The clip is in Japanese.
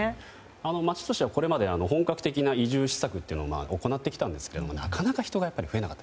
町としてはこれまで、本格的な移住施策を行ってきたんですけどもなかなか人が増えなかった。